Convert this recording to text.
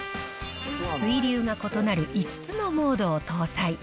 水流が異なる５つのモードを搭載。